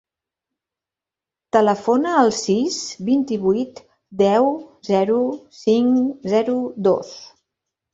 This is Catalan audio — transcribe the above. Telefona al sis, vint-i-vuit, deu, zero, cinc, zero, dos.